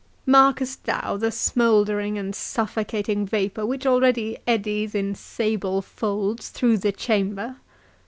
Markest thou the smouldering and suffocating vapour which already eddies in sable folds through the chamber?